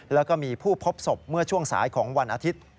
แล้วก็มีผู้พบศพเมื่อช่วงสายของวันอาทิตย์